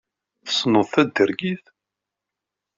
Tesneḍ tatergit?